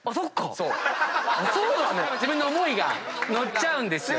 自分の思いが乗っちゃうんですよ